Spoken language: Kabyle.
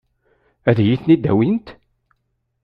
Ad iyi-ten-id-awint?